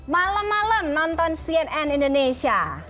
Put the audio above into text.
malam malam nonton cnn indonesia